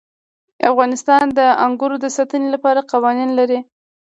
افغانستان د انګور د ساتنې لپاره قوانین لري.